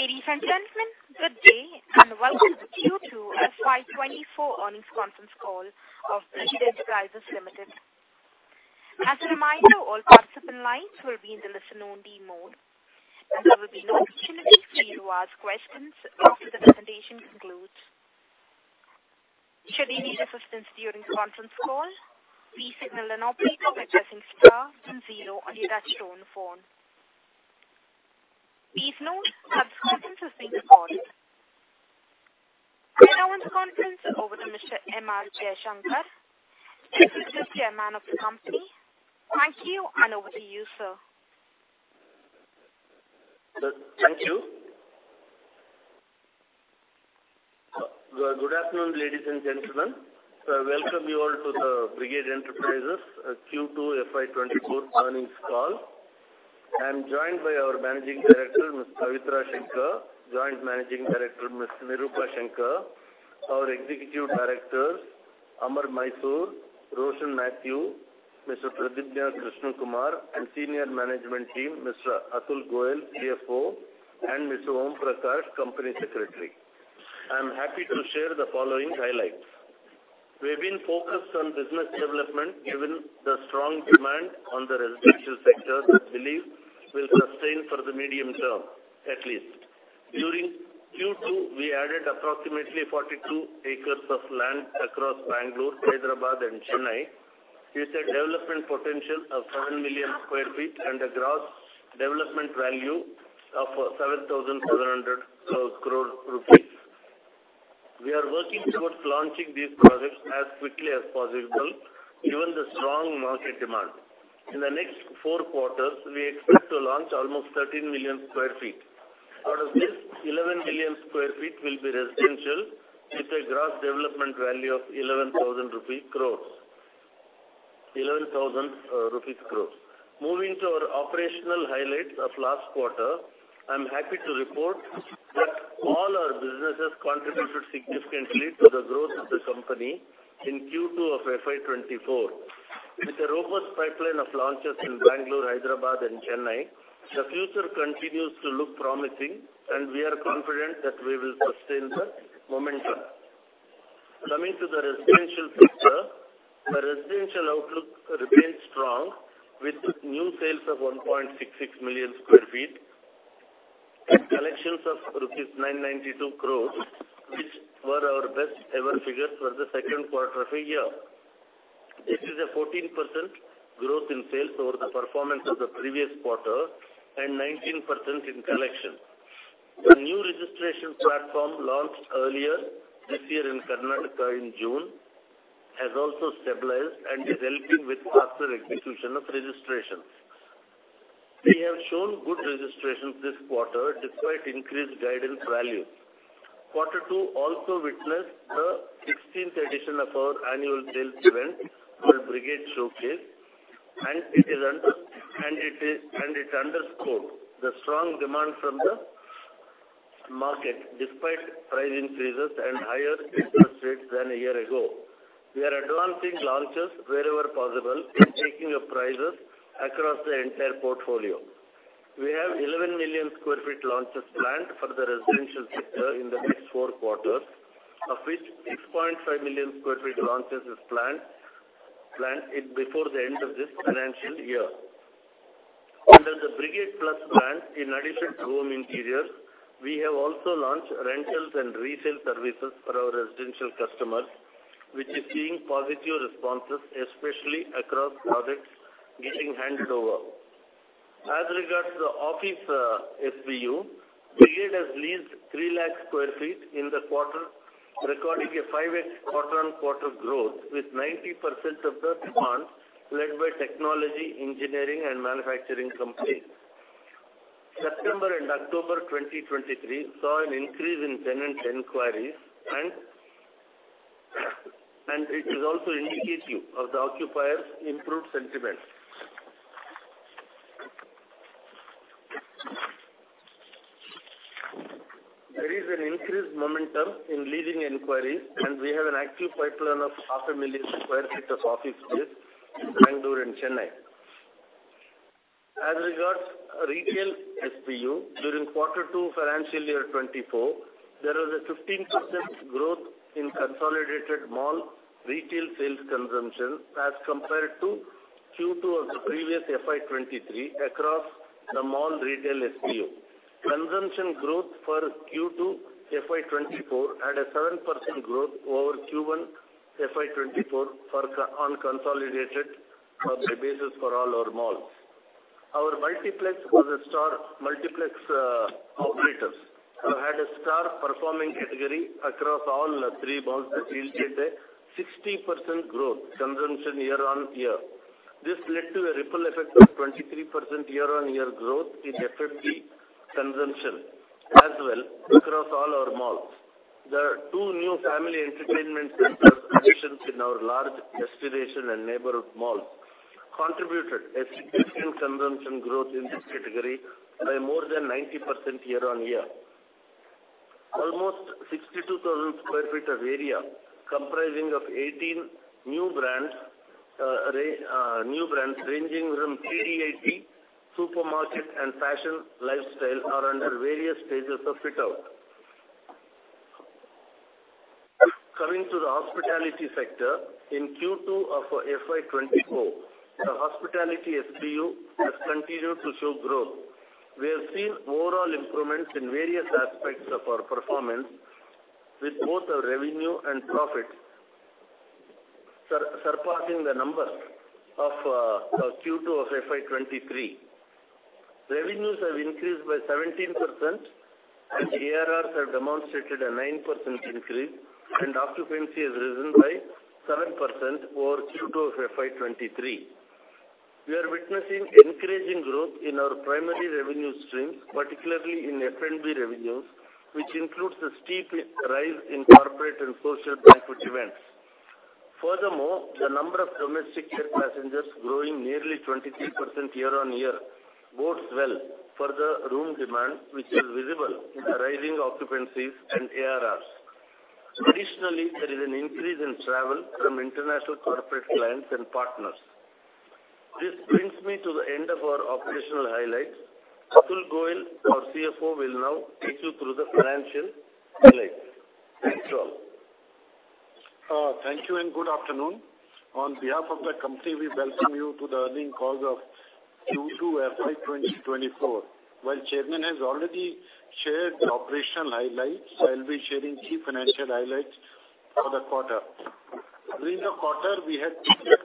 Ladies and gentlemen, good day, and welcome to Q2 FY 2024 earnings conference call of Brigade Enterprises Limited. As a reminder, all participant lines will be in the listen-only mode, and there will be no opportunity for you to ask questions after the presentation concludes. Should you need assistance during the conference call, please signal an operator by pressing star then zero on your touch-tone phone. Please note that the conference is being recorded. I now hand the conference over to Mr. M.R. Jaishankar, Executive Chairman of the company. Thank you, and over to you, sir. Thank you. Good afternoon, ladies and gentlemen. I welcome you all to the Brigade Enterprises Q2 FY 2024 earnings call. I'm joined by our Managing Director, Ms. Pavitra Shankar, Joint Managing Director, Ms. Nirupa Shankar, our Executive Directors, Amar Mysore, Roshin Mathew, Mr. Pradyumna Krishnakumar, and Senior Management Team, Mr. Atul Goyal, CFO, and Mr. Om Prakash, Company Secretary. I'm happy to share the following highlights. We've been focused on business development, given the strong demand on the residential sector, we believe will sustain for the medium term, at least. During Q2, we added approximately 42 acres of land across Bangalore, Hyderabad, and Chennai, with a development potential of 7 million sq ft and a gross development value of 7,700 crore rupees. We are working towards launching these projects as quickly as possible, given the strong market demand. In the next four quarters, we expect to launch almost 13 million sq ft. Out of this, 11 million sq ft will be residential, with a gross development value of 11,000 crore rupees. Moving to our operational highlights of last quarter, I'm happy to report that all our businesses contributed significantly to the growth of the company in Q2 of FY 2024. With a robust pipeline of launches in Bangalore, Hyderabad, and Chennai, the future continues to look promising, and we are confident that we will sustain the momentum. Coming to the residential sector, the residential outlook remains strong, with new sales of 1.66 million sq ft and collections of rupees 992 crore, which were our best ever figures for the second quarter of a year. It is a 14% growth in sales over the performance of the previous quarter and 19% in collection. The new registration platform, launched earlier this year in Karnataka in June, has also stabilized and is helping with faster execution of registrations. We have shown good registrations this quarter, despite increased guidance values. Quarter two also witnessed the 16th edition of our annual sales event, called Brigade Showcase, and it underscored the strong demand from the market, despite price increases and higher interest rates than a year ago. We are advancing launches wherever possible and taking up prices across the entire portfolio. We have 11 million sq ft launches planned for the residential sector in the next four quarters, of which 6.5 million sq ft launches is planned before the end of this financial year. Under the Brigade Plus brand, in addition to home interiors, we have also launched rentals and resale services for our residential customers, which is seeing positive responses, especially across projects getting handed over. As regards to the office SBU, Brigade has leased 300,000 sq ft in the quarter, recording a 5x quarter-on-quarter growth, with 90% of the demand led by technology, engineering and manufacturing companies. September and October 2023 saw an increase in tenant inquiries and it is also indicative of the occupiers' improved sentiments. There is an increased momentum in leading inquiries, and we have an active pipeline of 500,000 sq ft of office space in Bangalore and Chennai. As regards retail SBU, during quarter 2 financial year 2024, there was a 15% growth in consolidated mall retail sales consumption as compared to Q2 of the previous FY 2023 across the mall retail SBU. Consumption growth for Q2 FY 2024 had a 7% growth over Q1 FY 2024 on consolidated basis for all our malls. Our multiplex was a star. Multiplex operators have had a star-performing category across all three malls, that yielded a 60% growth consumption year-on-year. This led to a ripple effect of 23% year-on-year growth in F&B consumption as well across all our malls. The two new family entertainment centers positions in our large destination and neighborhood malls contributed a significant consumption growth in this category by more than 90% year-on-year.... Almost 62,000 sq ft of area, comprising of 18 new brands ranging from TDID, supermarket, and fashion lifestyle are under various stages of fit-out. Coming to the hospitality sector, in Q2 of FY 2024, the hospitality SBU has continued to show growth. We have seen overall improvements in various aspects of our performance, with both our revenue and profit surpassing the numbers of Q2 of FY 2023. Revenues have increased by 17%, and ARRs have demonstrated a 9% increase, and occupancy has risen by 7% over Q2 of FY 2023. We are witnessing encouraging growth in our primary revenue streams, particularly in F&B revenues, which includes a steep rise in corporate and social banquet events. Furthermore, the number of domestic air passengers growing nearly 23% year-on-year bodes well for the room demand, which is visible in the rising occupancies and ARRs. Additionally, there is an increase in travel from international corporate clients and partners. This brings me to the end of our operational highlights. Atul Goyal, our CFO, will now take you through the financial highlights. Thanks to all. Thank you, and good afternoon. On behalf of the company, we welcome you to the earnings call of Q2 FY 2024. While chairman has already shared the operational highlights, I'll be sharing key financial highlights for the quarter. During the quarter, we had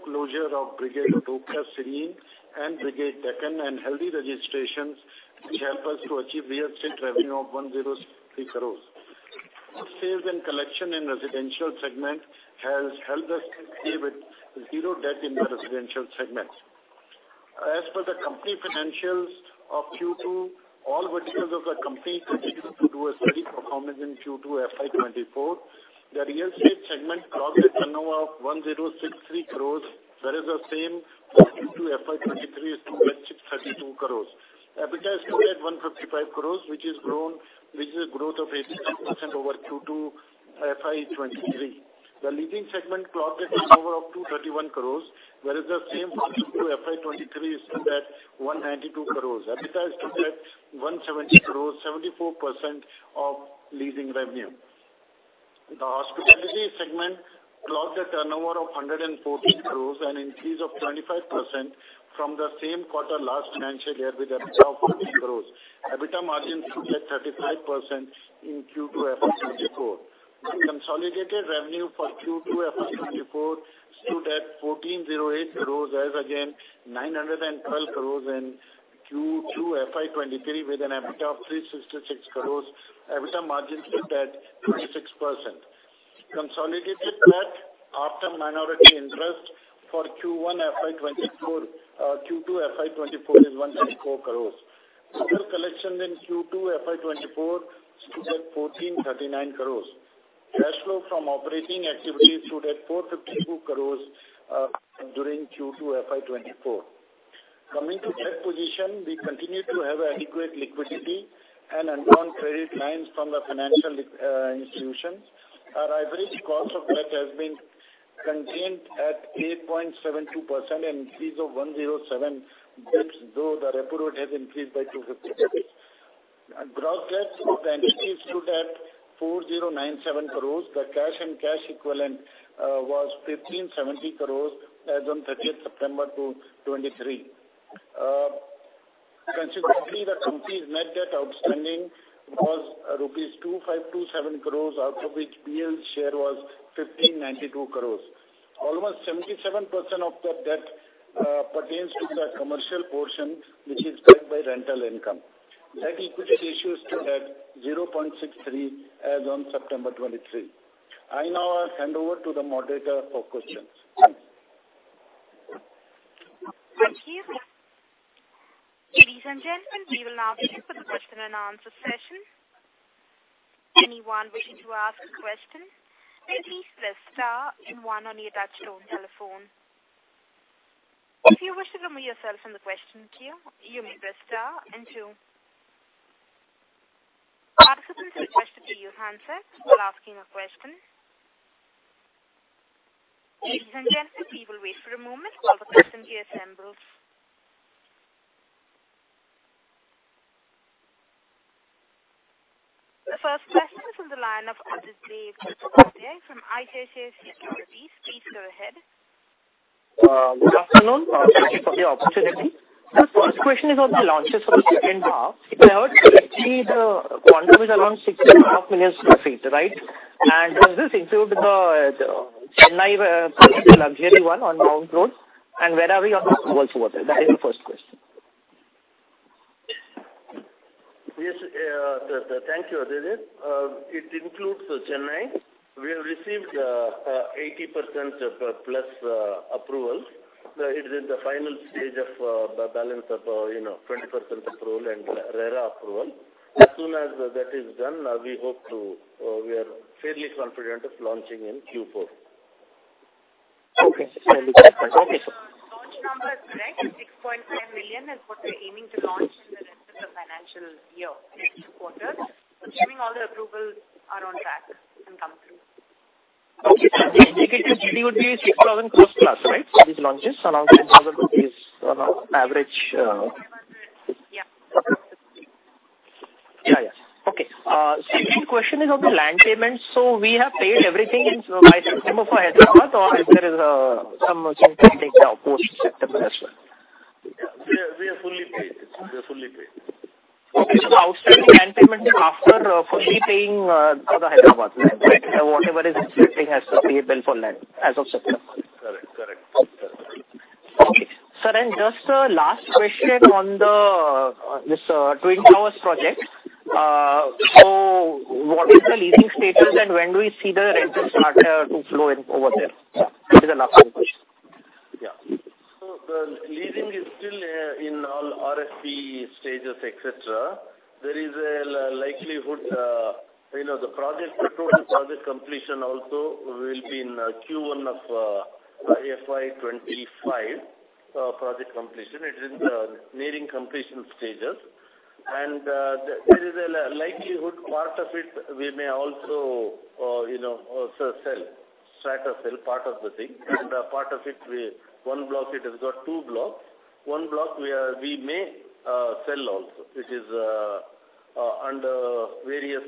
closure of Brigade Utopia Serene and Brigade Deccan, and healthy registrations, which helped us to achieve real estate revenue of 106 crores. Sales and collection in residential segment has helped us stay with 0 debt in the residential segment. As for the company financials of Q2, all verticals of the company continued to do a steady performance in Q2 FY 2024. The real estate segment clocked a turnover of 1,063 crores, whereas the same Q2 FY 2023 is 2.632 crores. EBITDA stood at 155 crore, which is a growth of 86% over Q2 FY 2023. The leasing segment clocked a turnover of 231 crore, whereas the same Q2 FY 2023 stood at 192 crore. EBITDA stood at 170 crore, 74% of leasing revenue. The hospitality segment clocked a turnover of 114 crore, an increase of 25% from the same quarter last financial year, with EBITDA of 14 crore. EBITDA margin stood at 35% in Q2 FY 2024. Consolidated revenue for Q2 FY 2024 stood at INR 1,408 crore, as against INR 912 crore in Q2 FY 2023, with an EBITDA of INR 366 crore. EBITDA margin stood at 26%. Consolidated debt after minority interest for Q2 FY 2024 is INR 1.4 crore. Total collections in Q2 FY 2024 stood at INR 1,439 crores. Cash flow from operating activities stood at INR 452 crores during Q2 FY 2024. Coming to debt position, we continue to have adequate liquidity and undrawn credit lines from the financial institutions. Our average cost of debt has been contained at 8.72%, an increase of 107 basis points, though the repo rate has increased by 250 basis points. Gross debt of the entity stood at 4,097 crores. The cash and cash equivalent was 1,570 crores as on 30th September 2023. Consequently, the company's net debt outstanding was rupees 2,527 crores, out of which BEL's share was 1,592 crores rupees. Almost 77% of the debt pertains to the commercial portion, which is backed by rental income. Net equity ratio stood at 0.63 as on September 2023. I now hand over to the moderator for questions. Thank you. Ladies and gentlemen, we will now begin with the question and answer session. Anyone wishing to ask a question, please press star and one on your touchtone telephone. If you wish to remove yourself from the question queue, you may press star and two. Participants, press to mute your handset while asking a question. Ladies and gentlemen, we will wait for a moment while the question queue assembles. The first question is on the line of Aditya from ICICI Securities. Please go ahead. Good afternoon. Thank you for the opportunity. The first question is on the launches for the second half. If I heard correctly, the quantum is around 64 million sq ft, right? And does this include the Chennai luxury one on Mount Road, and where are we on the approvals for that? That is my first question. Yes, thank you, Aditya. It includes Chennai. We have received 80% of the plus approvals. It is in the final stage of the balance of, you know, 20% approval and RERA approval. As soon as that is done, we hope to... We are fairly confident of launching in Q4.... Okay, so launch number is correct, 6.5 million is what we're aiming to launch in the rest of the financial year, next quarter. Assuming all the approvals are on track and come through. Okay. So the indicative GD would be 6,000 crore+, right? For these launches. So now is on an average, INR 500 crore. Yeah. Yeah, yeah. Okay. Second question is on the land payments. So we have paid everything in by September for Hyderabad, or if there is some things to take down post-September as well? Yeah, we are, we are fully paid. We are fully paid. Okay, so the outstanding land payment is after fully paying for the Hyderabad land, right? Whatever is outstanding has to be billed for land as of September. Correct, correct. Okay. Sir, and just a last question on the Twin Towers project. So what is the leasing status, and when do we see the rentals start to flow in over there? Yeah, this is the last one question. Yeah. So the leasing is still in all RSP stages, et cetera. There is a likelihood, you know, the project, the total project completion also will be in Q1 of FY25, project completion. It is in the nearing completion stages. And there is a likelihood, part of it, we may also, you know, sell, try to sell part of the thing. And a part of it, one block, it has got two blocks. One block, we, we may sell also. It is under various,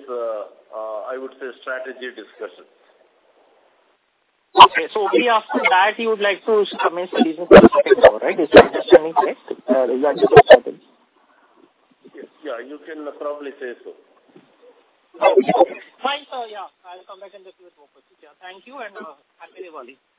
I would say, strategy discussions. Okay. So we, after that, you would like to commence the leasing for the tower, right? Is that the planning, right? Is that the right sentence? Yes. Yeah, you can probably say so. Okay, fine. So, yeah, I'll come back and discuss with you. Thank you, and happy Diwali. The next question is in the line of Rakesh Wadhwani from Monarch AIF. Please go ahead. Hi, I'm Rakesh. Hello. Hi, sir.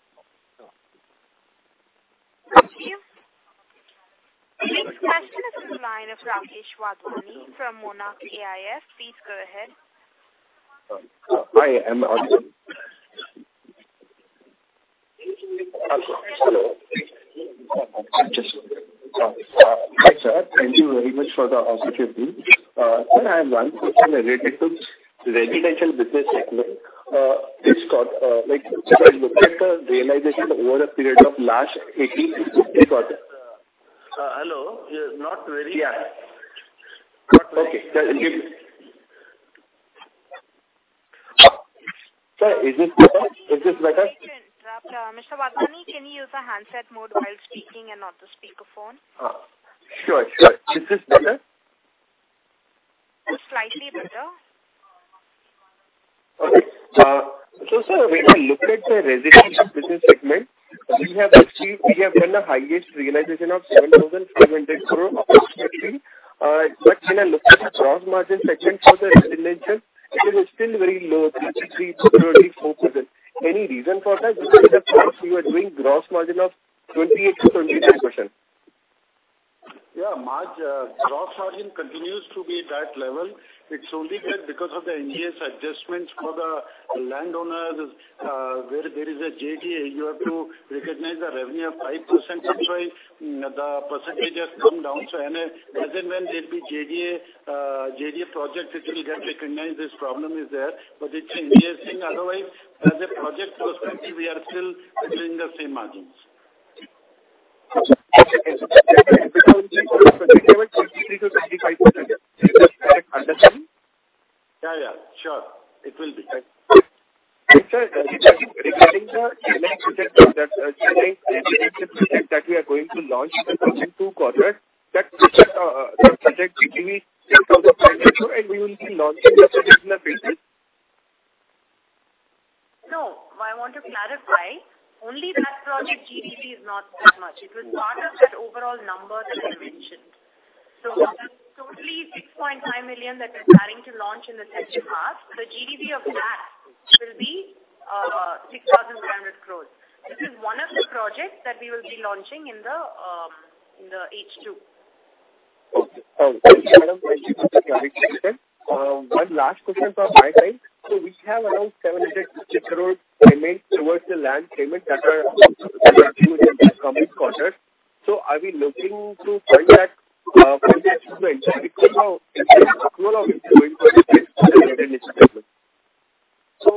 Thank you very much for the opportunity. Sir, I have one question related to residential business segment. It's got, like, look at the realization over a period of last 18 quarters. Hello? You're not very- Yeah. Okay. Sir, is this better? Is this better? Mr. Wadhwani, can you use the handset mode while speaking and not the speaker phone? Sure, sure. Is this better? It's slightly better. Okay. So, sir, when you look at the residential business segment, we have achieved—we have done the highest realization of 7,500 crore approximately. But when I look at the gross margin segment for the residential, it is still very low, 33%-34%. Any reason for that? Because in the past you were doing gross margin of 28%-30%. Yeah, gross margin continues to be at that level. It's only that because of the Ind AS adjustments for the landowners, where there is a JDA, you have to recognize the revenue of 5%. So the percentage has come down. So and as and when there'll be JDA, JDA project, it will get recognized, this problem is there, but it's interesting. Otherwise, as a project perspective, we are still doing the same margins. 63%-65%. Is that correct understanding? Yeah, yeah, sure. It will be right. Sir, regarding the next project, that project that we are going to launch in the second quarter, that project GDV and we will be launching the project in a basis. No, I want to clarify, only that project GDV is not that much. It was part of that overall number that I mentioned. So totally 6.5 million that we're planning to launch in the second half, the GDV of that will be, six thousand five hundred crores. This is one of the projects that we will be launching in the, in the H2. Okay. Thank you, madam, for the clarification. One last question from my side. So we have around 700 crore remain towards the land payments that are coming quarter. So are we looking to find that, from the issuance? Because now- So,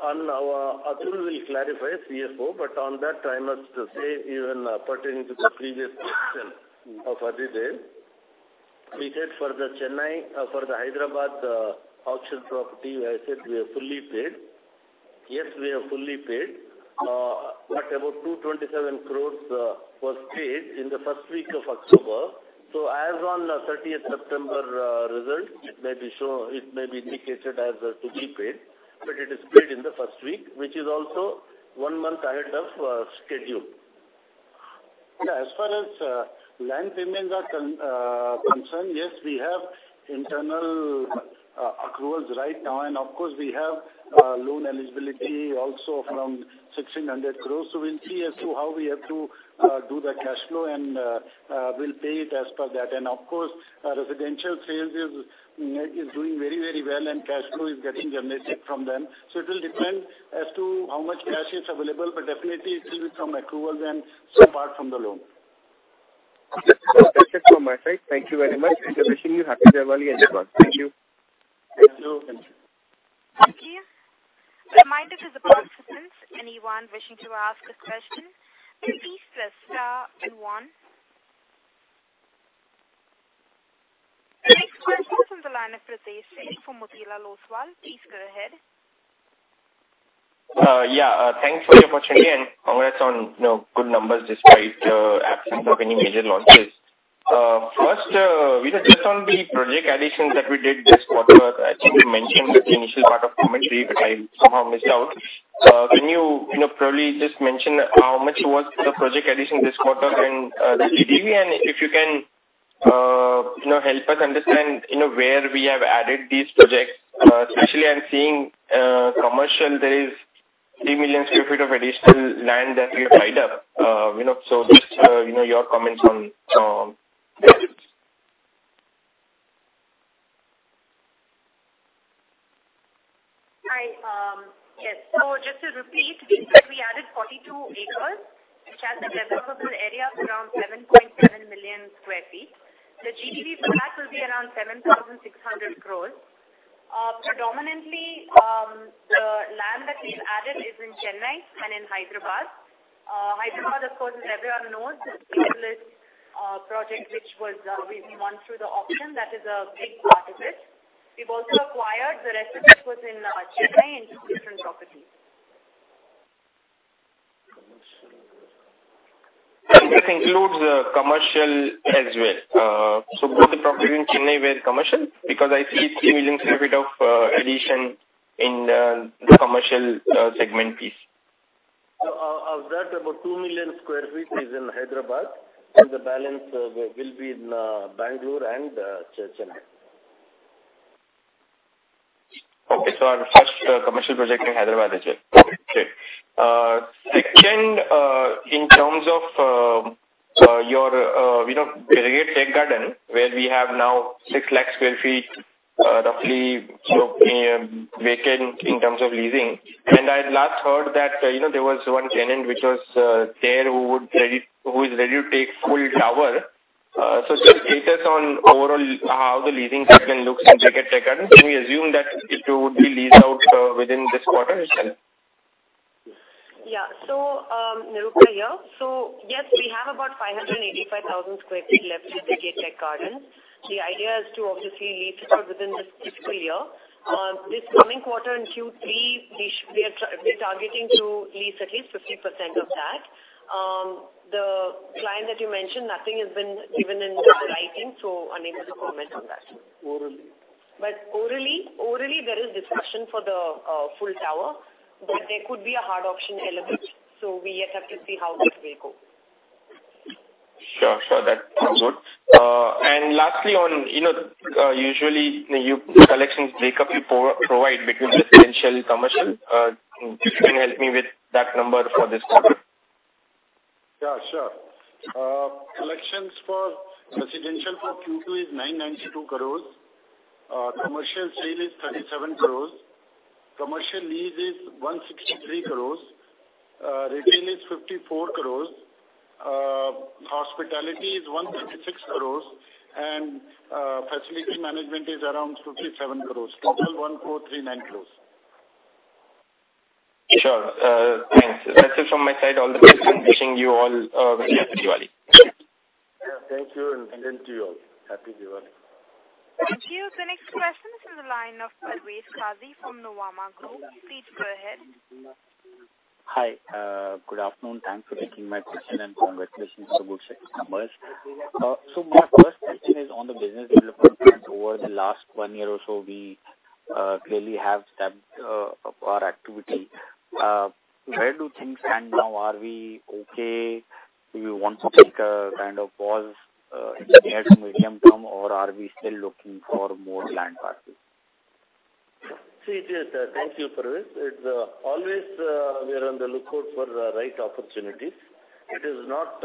on our... Atul will clarify, CFO, but on that, I must say, even pertaining to the previous question of Aditya, we said for the Chennai, for the Hyderabad, auction property, I said we have fully paid. Yes, we have fully paid, but about 227 crore was paid in the first week of October. So as on the thirtieth September, result, it may be indicated as to be paid, but it is paid in the first week, which is also one month ahead of schedule. Yeah, as far as land payments are concerned, yes, we have internal accruals right now, and of course, we have loan eligibility also from 1,600 crore. So we'll see as to how we have to do the cash flow, and we'll pay it as per that. And of course, our residential sales is doing very, very well and cash flow is getting generated from them. So it will depend as to how much cash is available, but definitely it will be from accrual then apart from the loan.... That's it from my side. Thank you very much, and wishing you happy Diwali and thank you. Thank you. Thank you. Reminder to the participants, anyone wishing to ask a question, please press star two one. Next question from the line of Ritesh Singh from Motilal Oswal. Please go ahead. Yeah, thanks for your opportunity, and congrats on, you know, good numbers despite absence of any major launches. First, we know just on the project additions that we did this quarter, I think you mentioned that the initial part of commentary, but I somehow missed out. Can you, you know, probably just mention how much was the project addition this quarter and the GDV? And if you can, you know, help us understand, you know, where we have added these projects, especially I'm seeing commercial, there is 3 million sq ft of additional land that we have tied up. You know, so just your comments on that. Hi, yes. So just to repeat, we said we added 42 acres, which has a developable area of around 7.7 million sq ft. The GDV for that will be around 7,600 crore. Predominantly, the land that we've added is in Chennai and in Hyderabad. Hyderabad, of course, as everyone knows, this project, which was we won through the auction, that is a big part of it. We've also acquired the rest of it within Chennai in two different properties. This includes commercial as well. So both the properties in Chennai were commercial? Because I see 3 million sq ft of addition in the commercial segment piece. So, of that, about 2 million sq ft is in Hyderabad, and the balance will be in Bangalore and Chennai. Okay, so our first commercial project in Hyderabad, is it? Okay, great. Second, in terms of your we know Brigade Tech Gardens, where we have now 600,000 sq ft roughly vacant in terms of leasing. And I last heard that, you know, there was one tenant which was there who is ready to take full tower. So just status on overall how the leasing segment looks in Brigade Tech Gardens. Can we assume that it would be leased out within this quarter itself? Yeah. So, Nirupa here. So yes, we have about 585,000 sq ft left in Brigade Tech Gardens. The idea is to obviously lease it out within this fiscal year. This coming quarter in Q3, we're targeting to lease at least 50% of that. The client that you mentioned, nothing has been given in writing, so unable to comment on that. Orally. But orally, there is discussion for the full tower, but there could be a hard option element. So we just have to see how this will go. Sure, sure. That sounds good. And lastly, on, you know, usually, you provide collections breakup between residential and commercial. If you can help me with that number for this quarter. Yeah, sure. Collections for residential for Q2 is 992 crores. Commercial sale is 37 crores. Commercial lease is 163 crores. Retail is 54 crores. Hospitality is 156 crores, and facility management is around 57 crores. Total, 1,439 crores. Sure. Thanks. That's it from my side. All the best, and wishing you all a very happy Diwali. Yeah, thank you, and same to you all. Happy Diwali. Thank you. The next question is in the line of Parvez Qazi from Nuvama Group. Please go ahead. Hi, good afternoon. Thanks for taking my question, and congratulations on the good set of numbers. So my first question is on the business development. Over the last one year or so, we clearly have stepped up our activity. Where do things stand now? Are we okay? Do we want to take a kind of pause in the near to medium term, or are we still looking for more land parties? See, it is... Thank you, Parvez. It's always, we are on the lookout for the right opportunities. It is not,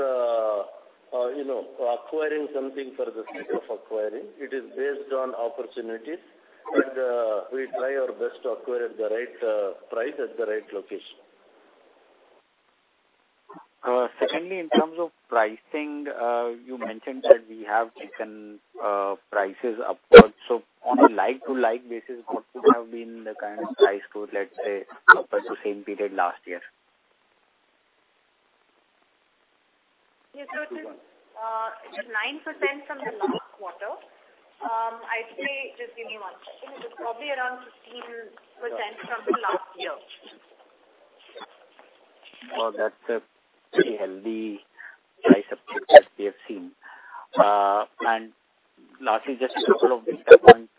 you know, acquiring something for the sake of acquiring. It is based on opportunities, and we try our best to acquire at the right price, at the right location. Secondly, in terms of pricing, you mentioned that we have taken prices upwards. So on a like-to-like basis, what could have been the kind of price to, let's say, upwards the same period last year? Yes, so it is, it is 9% from the last quarter. I'd say, just give me one second. It is probably around 15% from the last year. Well, that's a pretty healthy price update that we have seen. Lastly, just a couple of data points.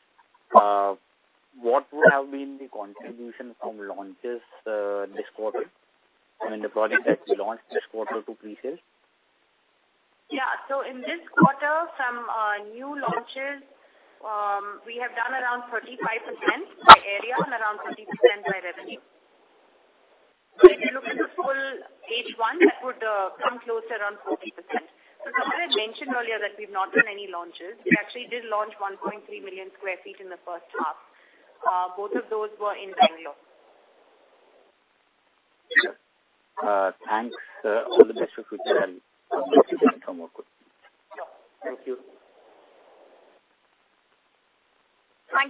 What would have been the contribution from launches, this quarter, I mean, the products that we launched this quarter to pre-sale? Yeah. So in this quarter, some new launches, we have done around 35% by area and around 50% by revenue. But if you look at the full H1, that would come close to around 40%. But as I mentioned earlier, that we've not done any launches. We actually did launch 1.3 million sq ft in the first half. Both of those were in Bangalore.... Thanks. All the best for future. Thank you. Thank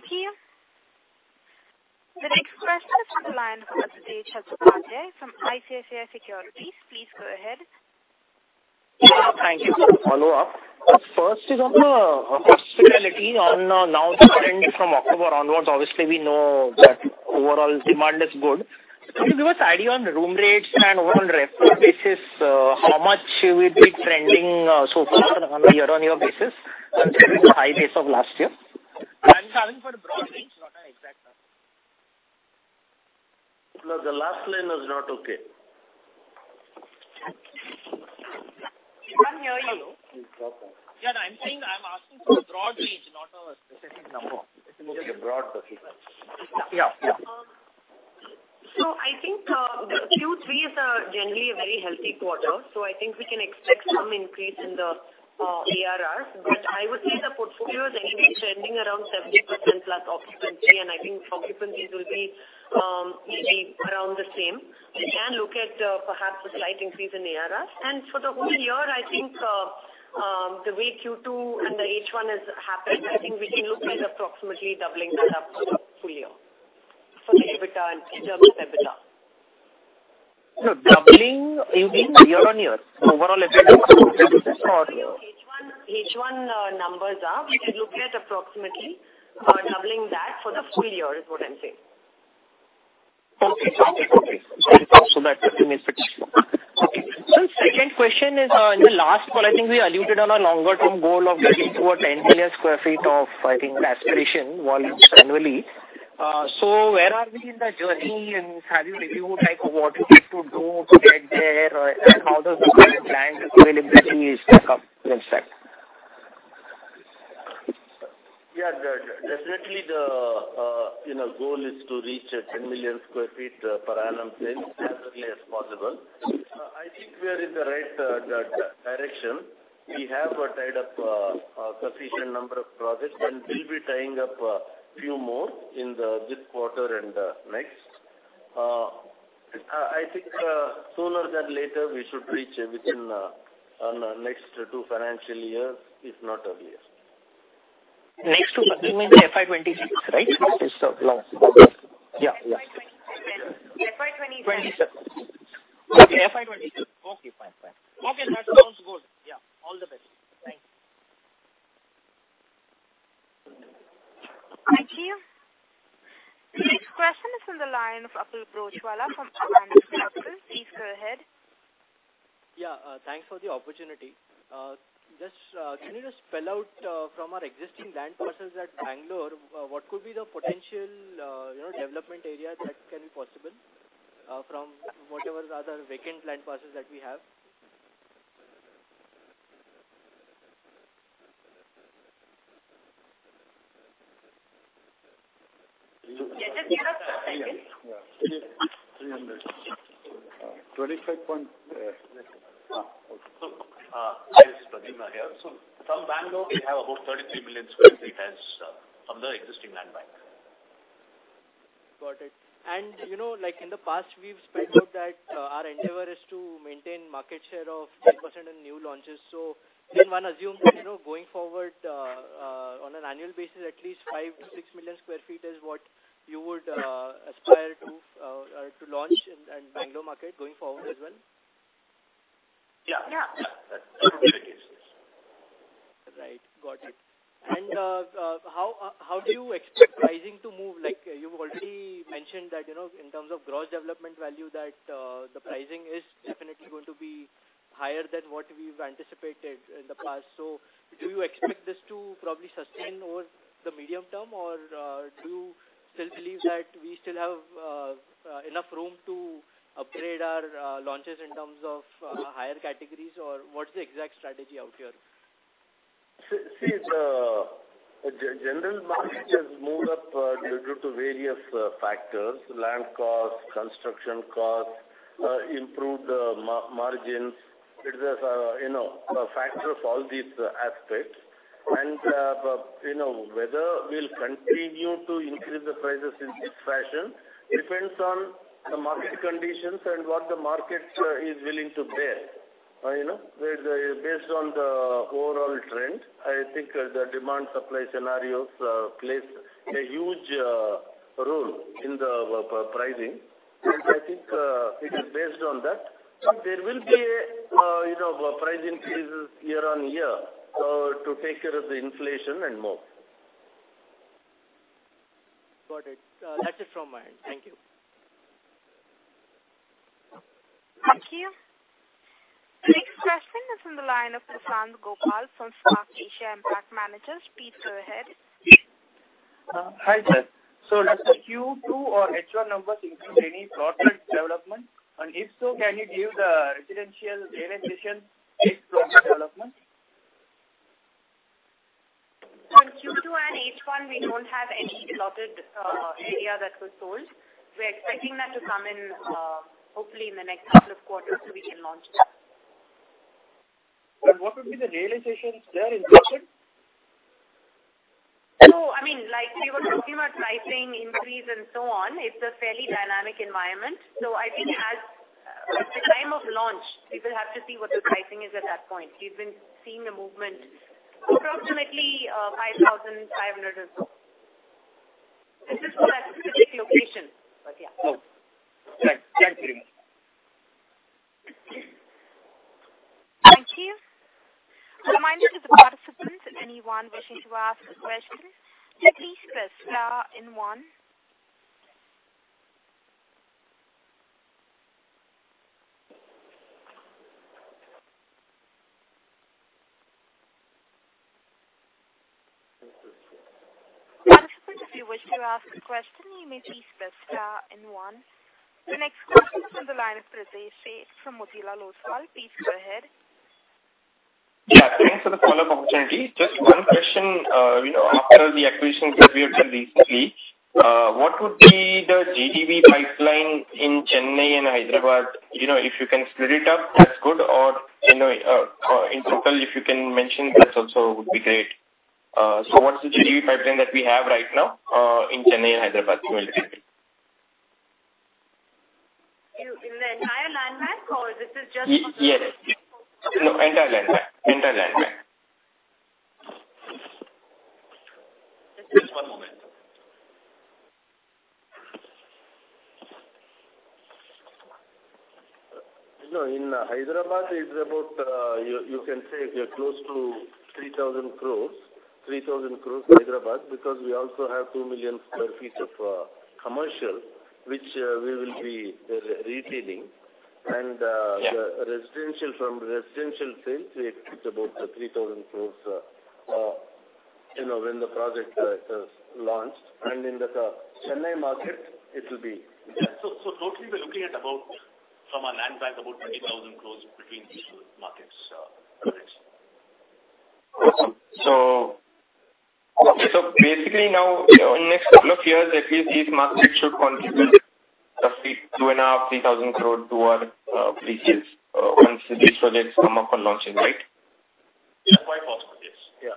you. The next question is on the line from ICICI Securities. Please go ahead. Thank you. First is on the hospitality, now the trend from October onwards. Obviously, we know that overall demand is good. Can you give us idea on room rates and overall revenue basis, how much it will be trending so far on a year-on-year basis compared to high base of last year? I'm calling for a broad range, not an exact number. The last line is not okay. We can't hear you. Yeah, I'm saying I'm asking for a broad range, not a specific number. Just a broad perspective. Yeah. Yeah. So I think, the Q3 is generally a very healthy quarter, so I think we can expect some increase in the ARRs. But I would say the portfolio is anyway trending around 70% plus occupancy, and I think occupancies will be, maybe around the same. We can look at perhaps a slight increase in ARRs. And for the whole year, I think, the way Q2 and the H1 has happened, I think we can look at approximately doubling that up for the full year, for the EBITDA, in terms of EBITDA. No, doubling, you mean year-on-year, so overall or- H1 numbers are. We can look at approximately doubling that for the full year is what I'm saying. Okay. Okay. So that is pretty slow. Okay. So second question is, in the last call, I think we alluded on a longer term goal of getting to 10 million sq ft of, I think, aspiration volumes annually. So where are we in the journey, and have you reviewed, like, what you need to do to get there, and how does the current land availability come into that? Yeah, definitely, the, you know, goal is to reach 10 million sq ft per annum as early as possible. I think we are in the right direction. We have tied up a sufficient number of projects, and we'll be tying up a few more in the this quarter and the next. I, I think, sooner than later, we should reach within on the next two financial years, if not earlier. Next two, you mean FY 26, right? Yes. Yeah. FY twenty... 27. Okay, FY 27. Okay, fine. Okay, that sounds good. Yeah, all the best. Thank you. Thank you. The next question is on the line of Akul Broachwala from IIFL Securities. Please go ahead. Yeah, thanks for the opportunity. Just, can you just spell out, from our existing land parcels at Bangalore, what could be the potential, you know, development area that can be possible, from whatever other vacant land parcels that we have? Just a minute. Yeah. 25 point... This is Pradyumna here. From Bangalore, we have about 33 million sq ft as from the existing land bank. Got it. And, you know, like in the past, we've spelled out that our endeavor is to maintain market share of 10% in new launches. So then one assumes that, you know, going forward, on an annual basis, at least 5-6 million sq ft is what you would aspire to launch in Bangalore market going forward as well? Yeah. Yeah. That would be the case. Yes. Right. Got it. And, how do you expect pricing to move? Like, you've already mentioned that, you know, in terms of gross development value, that, the pricing is definitely going to be higher than what we've anticipated in the past. So do you expect this to probably sustain over the medium term, or, do you still believe that we still have, enough room to upgrade our, launches in terms of, higher categories, or what's the exact strategy out here? See, the general market has moved up due to various factors: land costs, construction costs, improved margins. It is, you know, a factor of all these aspects. And, you know, whether we'll continue to increase the prices in this fashion depends on the market conditions and what the market is willing to bear. You know, based on the overall trend, I think the demand supply scenarios plays a huge role in the pricing. And I think it is based on that. There will be, you know, price increases year on year to take care of the inflation and more. Got it. That's it from my end. Thank you. Thank you. Next question is on the line of Prasanth Gopal from Spark Asia Impact Managers. Please go ahead. Hi, sir. So does the Q2 or H1 numbers include any plotted development? And if so, can you give the residential realization based plotted development? In Q2 and H1, we don't have any plotted area that was sold. We are expecting that to come in, hopefully in the next couple of quarters, so we can launch. What would be the realization there in %?... like you were talking about pricing increase and so on, it's a fairly dynamic environment. So I think as at the time of launch, we will have to see what the pricing is at that point. We've been seeing a movement approximately, 5,500 or so. This is for that specific location, but yeah. Oh, thanks. Thank you very much. Thank you. A reminder to the participants, if anyone wishing to ask a question, please press star and one. Participants, if you wish to ask a question, you may please press star and one. The next question is from the line of Pritesh Sheth from Motilal Oswal. Please go ahead. Yeah, thanks for the follow-up opportunity. Just one question. You know, after the acquisition that we have done recently, what would be the GDV pipeline in Chennai and Hyderabad? You know, if you can split it up, that's good, or, you know, in total, if you can mention, that also would be great. So what's the GDV pipeline that we have right now, in Chennai and Hyderabad? In the entire land bank, or this is just- Yes. No, entire land bank, entire land bank. Just one moment. You know, in Hyderabad, it's about, you can say we are close to 3,000 crore. 3,000 crore in Hyderabad, because we also have 2 million sq ft of commercial, which we will be retailing. And the residential, from residential sales, it's about 3,000 crore, you know, when the project is launched. And in the Chennai market, it will be- Yeah. So, so totally, we're looking at about, from our land bank, about 20,000 crore between these two markets, Prateek. Awesome. So, so basically now, in the next couple of years, at least these markets should contribute 2,500 crore-3,000 crore to our pre-sales once these projects come up for launching, right? Yeah, quite possible. Yes. Yeah.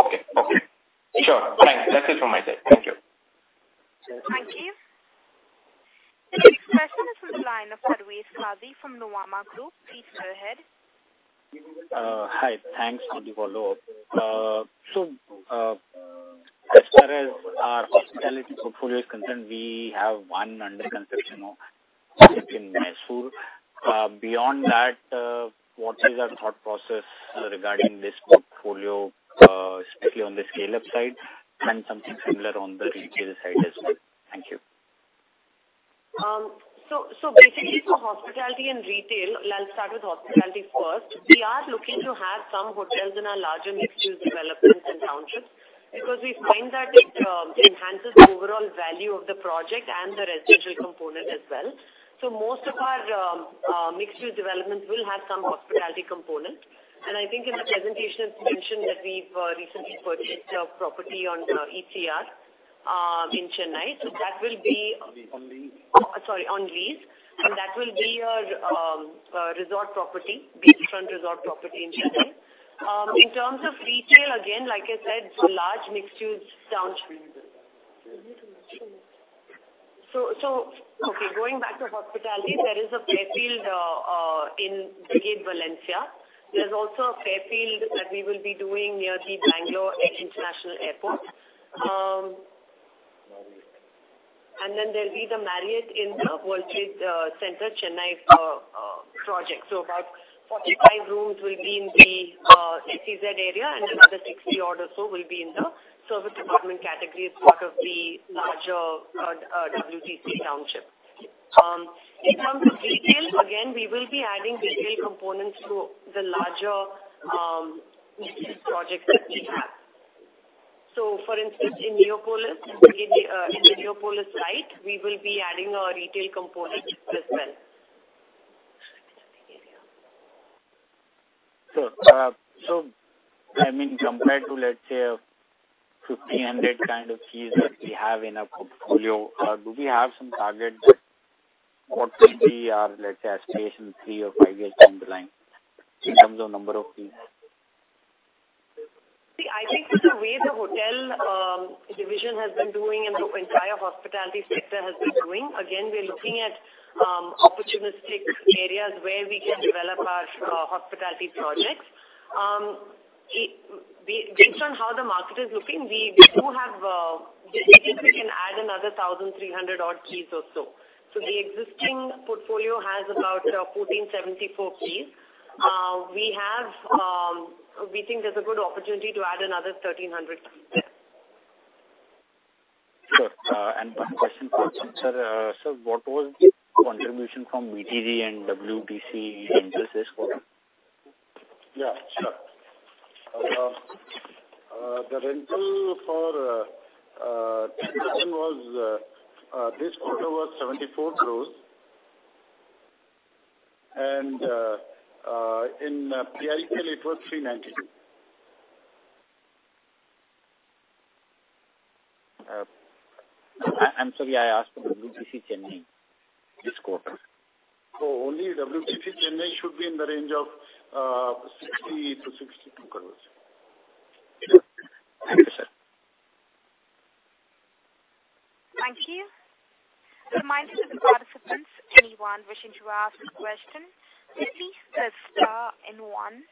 Okay. Okay. Sure. Thanks. That's it from my side. Thank you. Thank you. The next question is from the line of Uday Slavi from Nuvama Group. Please go ahead. Hi. Thanks for the follow-up. So, as far as our hospitality portfolio is concerned, we have one under construction now in Mysore. Beyond that, what is our thought process regarding this portfolio, strictly on the scale-up side, and something similar on the retail side as well? Thank you. So, basically for hospitality and retail, I'll start with hospitality first. We are looking to have some hotels in our larger mixed-use developments and townships, because we find that it enhances the overall value of the project and the residential component as well. So most of our mixed-use developments will have some hospitality component. And I think in the presentation, it's mentioned that we've recently purchased a property on ECR in Chennai. So that will be- On lease. Sorry, on lease. That will be our resort property, beachfront resort property in Chennai. In terms of retail, again, like I said, so large mixed-use township. So, okay, going back to hospitality, there is a Fairfield in Brigade Valencia. There's also a Fairfield that we will be doing near the Bangalore International Airport. And then there'll be the Marriott in the World Trade Center Chennai project. So about 45 rooms will be in the SEZ area, and another 60 odd or so will be in the serviced apartment category as part of the larger WTC township. In terms of retail, again, we will be adding retail components to the larger projects that we have. So for instance, in Neopolis, in the in Neopolis Site, we will be adding a retail component as well. Sure. So I mean, compared to, let's say, 1,500 kind of keys that we have in our portfolio, do we have some target? What will be our, let's say, aspiration three or five years down the line in terms of number of keys? See, I think with the way the hotel division has been doing and the entire hospitality sector has been doing, again, we are looking at opportunistic areas where we can develop our hospitality projects. Based on how the market is looking, we do have, I think we can add another 1,300 keys or so. So the existing portfolio has about 1,474 keys. We have... We think there's a good opportunity to add another 1,300. Sure. One question for sir. Sir, what was the contribution from BTG and WTC in this quarter? Yeah, sure. The rental for was this quarter was 74 crore and in it was 392.... I'm sorry, I asked for WTC Chennai this quarter. Only WTC Chennai should be in the range of 60 crore-62 crore. Thank you, sir. Thank you. Reminder to the participants, anyone wishing to ask a question, please press star and one.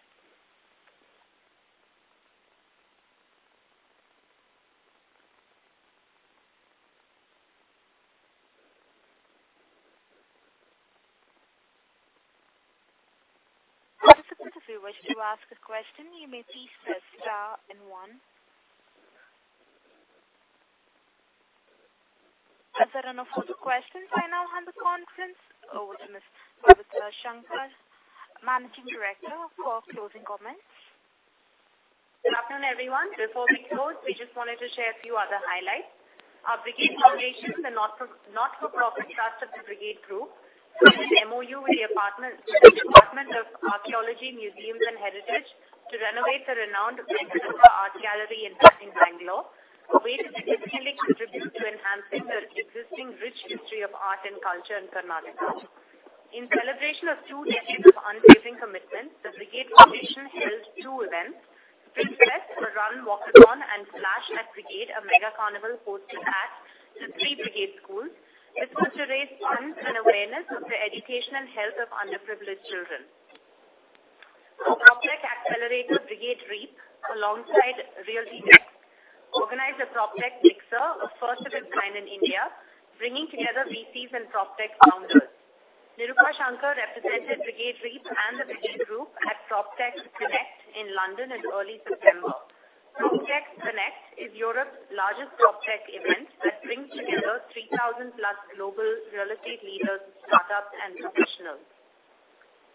Participants, if you wish to ask a question, you may please press star and one. As there are no further questions, I now hand the conference over to Ms. Nirupa Shankar, Managing Director, for closing comments. Good afternoon, everyone. Before we close, we just wanted to share a few other highlights. Our Brigade Foundation, the not-for-profit trust of the Brigade Group, signed an MoU with the Department of Archaeology, Museums and Heritage to renovate the renowned Venkatappa Art Gallery in Bangalore. A way to significantly contribute to enhancing the existing rich history of art and culture in Karnataka. In celebration of two decades of unwavering commitment, the Brigade Foundation held two events, FitFest Run Walkathon and Splash at Brigade, a mega carnival hosted at the three Brigade schools. This was to raise funds and awareness of the education and health of underprivileged children. PropTech accelerator Brigade REAP, alongside RealtyNXT, organized a PropTech mixer, a first of its kind in India, bringing together VCs and PropTech founders.a Nirupa Shankar represented Brigade REAP and the Brigade Group at PropTech Connect in London in early September. PropTech Connect is Europe's largest PropTech event that brings together 3,000+ global real estate leaders, startups, and professionals.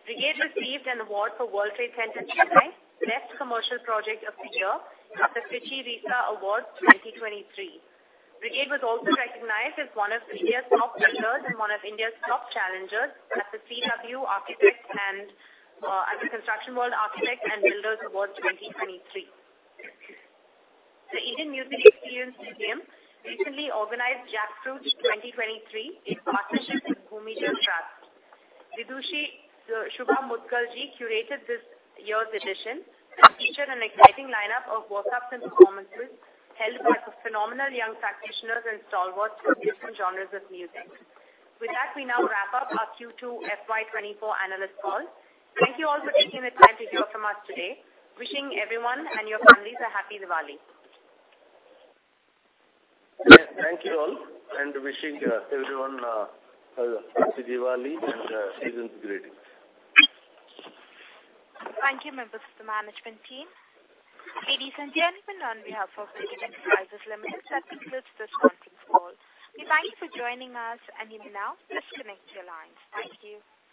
Brigade received an award for World Trade Center Chennai, Best Commercial Project of the Year at the FICCI REISA Awards 2023. Brigade was also recognized as one of India's top builders and one of India's top challengers at the CW Architects and at the Construction World Architects and Builders Awards 2023. The Indian Music Experience Museum recently organized Jackfruit 2023 in partnership with Bhoomija Trust. Vidushi Shubha Mudgalji curated this year's edition, which featured an exciting lineup of workshops and performances held by phenomenal young practitioners and stalwarts from different genres of music. With that, we now wrap up our Q2 FY24 analyst call. Thank you all for taking the time to hear from us today. Wishing everyone and your families a happy Diwali! Thank you all, and wishing everyone a happy Diwali and season's greetings. Thank you, members of the management team. Ladies and gentlemen, on behalf of Brigade Enterprises Limited, that concludes this conference call. We thank you for joining us, and you may now disconnect your lines. Thank you.